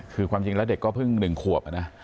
คือความจริงแล้วเด็กก็เพิ่ง๑ขวบนะ